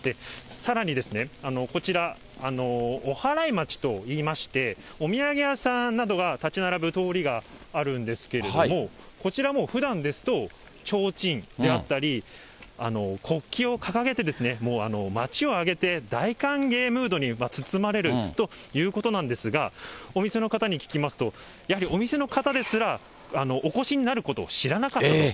さらにこちら、おはらい町といいまして、お土産屋さんなどが建ち並ぶ通りがあるんですけれども、こちらもふだんですと、ちょうちんであったり、国旗を掲げて、もう町を挙げて大歓迎ムードに包まれるということなんですが、お店の方に聞きますと、やはりお店の方ですら、お越しになることを知らなかったと。